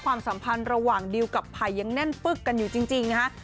ความสัมพันธ์ระหว่างดิวกับไผ่ยังแน่นปึ๊กกันอยู่จริงนะฮะ